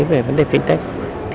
về vấn đề fintech